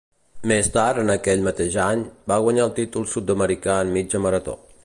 Més tard en aquest mateix any, va guanyar el títol sud-americà en mitja marató.